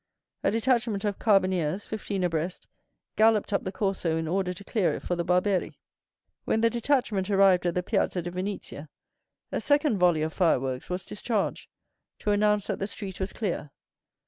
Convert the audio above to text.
A detachment of carbineers, fifteen abreast, galloped up the Corso in order to clear it for the barberi. When the detachment arrived at the Piazza di Venezia, a second volley of fireworks was discharged, to announce that the street was clear.